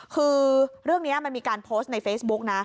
คือเรื่องนี้มันมีการโพสต์ในเฟซบุ๊กนะ